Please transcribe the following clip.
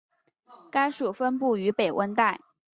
该属分布于北温带。